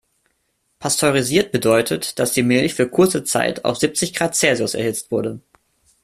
Pasteurisiert bedeutet, dass die Milch für kurze Zeit auf siebzig Grad Celsius erhitzt wurde.